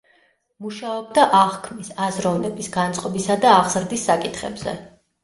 მუშაობდა აღქმის, აზროვნების, განწყობისა და აღზრდის საკითხებზე.